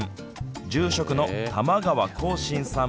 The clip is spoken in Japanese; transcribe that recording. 住職の玉川弘信さん